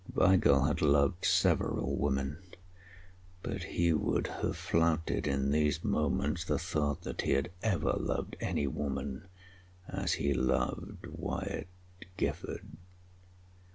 Weigall had loved several women; but he would have flouted in these moments the thought that he had ever loved any woman as he loved Wyatt Gifford.